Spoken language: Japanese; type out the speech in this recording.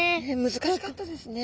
難しかったですね。